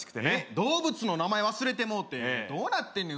動物の名前忘れてもうてどうなってんのよ